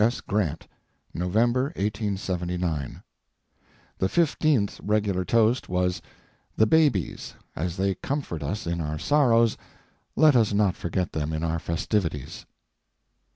S. GRANT, NOVEMBER, 1879 The fifteenth regular toast was "The Babies. As they comfort us in our sorrows, let us not forget them in our festivities."